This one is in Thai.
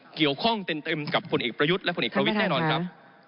เกี่ยวข้องเต็มกับผลเอกประยุทธ์และผลเอกประวิทธิ์แน่นอนครับ